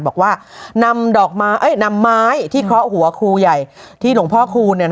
บอกว่านำไม้ที่เคาะหัวครูใหญ่ที่หลวงพ่อคูณ